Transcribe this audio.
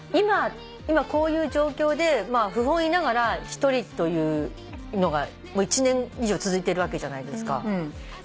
今こういう状況で不本意ながら一人というのが１年以上続いてるわけじゃないですか。